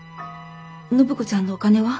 暢子ちゃんのお金は？